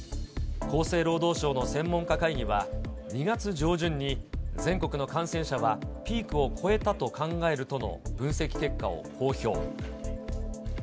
厚生労働省の専門家会議は、２月上旬に全国の感染者はピークを越えたと考えるとの分析結果を公表。